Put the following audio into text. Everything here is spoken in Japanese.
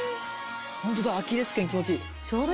ホントだアキレス腱気持ちいい。